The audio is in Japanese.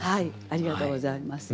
ありがとうございます。